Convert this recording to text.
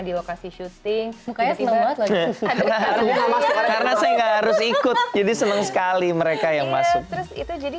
di lokasi syuting karena saya nggak harus ikut jadi senang sekali mereka yang masuk terus itu jadi